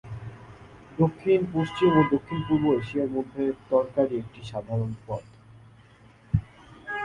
দক্ষিণ, পশ্চিম ও দক্ষিণপূর্ব এশিয়ার মধ্যে তরকারী একটি সাধারণ পদ।